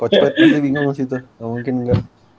kocpetnya bingung sih tuh ga mungkin ga